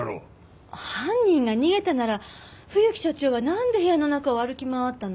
犯人が逃げたなら冬木社長はなんで部屋の中を歩き回ったの？